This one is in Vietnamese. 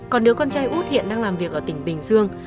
còn đứa con trai út hiện đang làm việc ở tỉnh bình dương